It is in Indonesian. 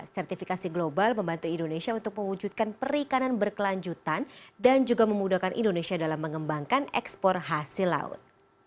sertifikasi global membantu indonesia untuk mewujudkan perikanan berkelanjutan dan juga memudahkan indonesia dalam mengembangkan ekspor hasil laut